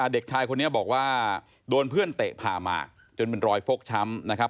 เด็กชายคนนี้บอกว่าโดนเพื่อนเตะผ่ามาจนเป็นรอยฟกช้ำนะครับ